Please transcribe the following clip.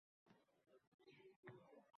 Va shunda temirchi lablari titrab